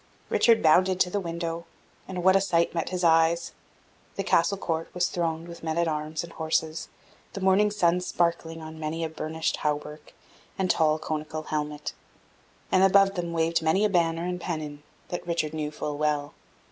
Richard bounded to the window, and what a sight met his eyes! The Castle court was thronged with men at arms and horses, the morning sun sparkling on many a burnished hauberk and tall conical helmet, and above them waved many a banner and pennon that Richard knew full well.